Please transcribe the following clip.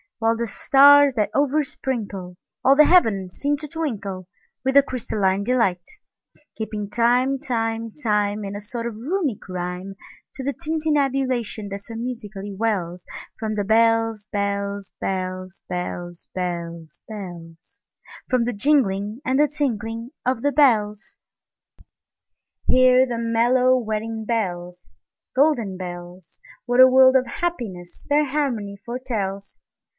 While the stars, that oversprinkleAll the heavens, seem to twinkleWith a crystalline delight; Keeping time, time, time, In a sort of Runic rhyme, To the tintinnabulation that so musically wellsFrom the bells, bells, bells, bells, Bells, bells, bells—From the jingling and the tinkling of the bells. Hear the mellow wedding bells, Golden bells! What a world of happiness their harmony foretells!